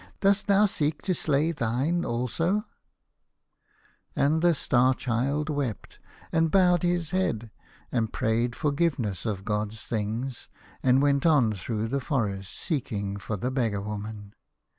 Dost thou seek to slay thine also ?" And the Star Child wept and bowed his head, and prayed forgiveness of God's things, and went on through the forest, seeking for the beggar woman.